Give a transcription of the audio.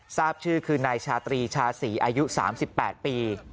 ทราบชื่อคือนายชาตรีชาศรีอายุ๓๘ปี